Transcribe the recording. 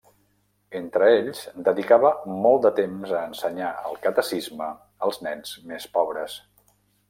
Entre ells, dedicava molt de temps a ensenyar el catecisme als nens més pobres.